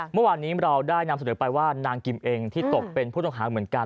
เมื่อวานนี้เราได้นำเสนอไปว่านางกิมเองที่ตกเป็นผู้ต้องหาเหมือนกัน